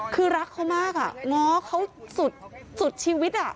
คือรักเขามากง้อเขาสุดชีวิต